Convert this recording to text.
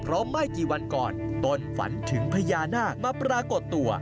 เพราะไม่กี่วันก่อนตนฝันถึงพญานาคมาปรากฏตัว